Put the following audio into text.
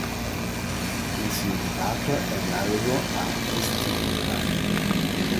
Il significato è analogo a Restituta.